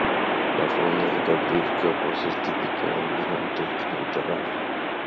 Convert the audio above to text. La fauna se caracteriza por ser típica del monte mediterráneo.